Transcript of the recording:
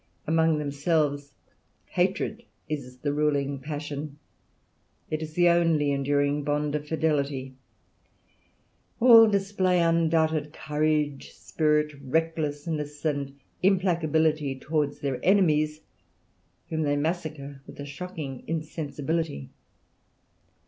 Among themselves hatred is the ruling passion; it is the only enduring bond of fidelity. All display undoubted courage, spirit, recklessness, implacability towards their enemies, whom they massacre with a shocking insensibility.